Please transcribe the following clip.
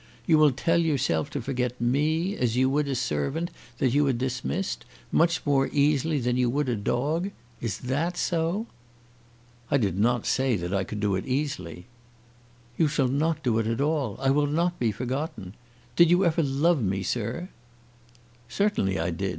You will tell yourself to forget me, as you would a servant that you had dismissed, much more easily than you would a dog? Is that so?" "I did not say that I could do it easily." "You shall not do it at all. I will not be forgotten. Did you ever love me, sir?" "Certainly I did.